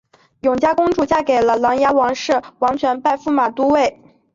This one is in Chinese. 永嘉公主嫁给了琅琊王氏王铨拜驸马都尉。